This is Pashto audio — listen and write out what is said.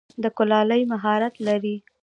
د کلالۍ مهارت لری؟